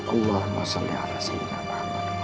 allahumma salli ala sehingga muhammad wa'ala sehingga muhammad